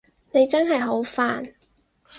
你真係好煩